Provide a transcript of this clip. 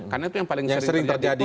karena itu yang paling sering terjadi